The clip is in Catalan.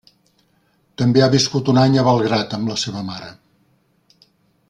També ha viscut un any a Belgrad amb la seva mare.